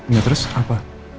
ya terus apa